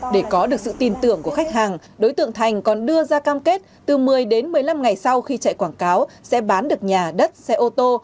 để có được sự tin tưởng của khách hàng đối tượng thành còn đưa ra cam kết từ một mươi đến một mươi năm ngày sau khi chạy quảng cáo sẽ bán được nhà đất xe ô tô